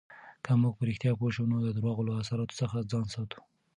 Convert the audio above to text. که موږ په رښتیا پوه شو، نو د درواغو له اثراتو څخه ځان ساتو.